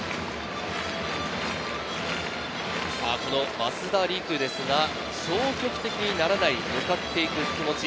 この増田陸ですが、「消極的にならない向かっていく気持ち